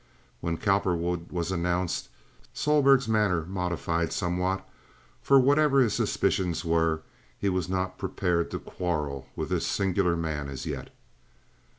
When Cowperwood was announced, Sohlberg's manner modified somewhat, for whatever his suspicions were, he was not prepared to quarrel with this singular man as yet.